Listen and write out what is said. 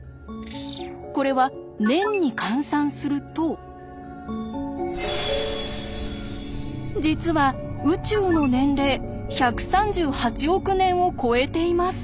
これは実は宇宙の年齢１３８億年を超えています。